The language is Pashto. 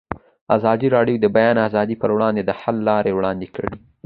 ازادي راډیو د د بیان آزادي پر وړاندې د حل لارې وړاندې کړي.